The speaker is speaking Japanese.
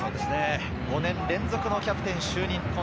５年連続のキャプテン就任。